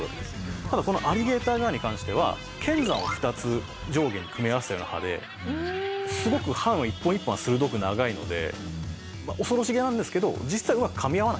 ただこのアリゲーターガーに関しては剣山を２つ上下に組み合わせたような歯ですごく歯の一本一本が鋭く長いので恐ろしげなんですけど実際は噛み合わないんです。